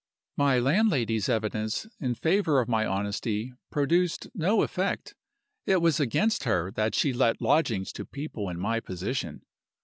My landlady's evidence in favor of my honesty produced no effect; it was against her that she let lodgings to people in my position.